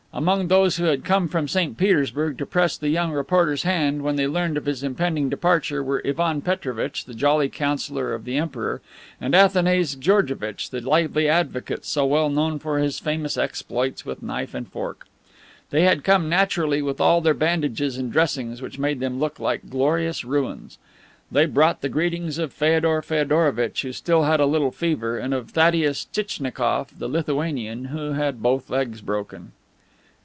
Among those who had come from St. Petersburg to press the young reporter's hand when they learned of his impending departure were Ivan Petrovitch, the jolly Councilor of the Emperor, and Athanase Georgevitch, the lively advocate so well known for his famous exploits with knife and fork. They had come naturally with all their bandages and dressings, which made them look like glorious ruins. They brought the greetings of Feodor Feodorovitch, who still had a little fever, and of Thaddeus Tchitchnikoff, the Lithuanian, who had both legs broken.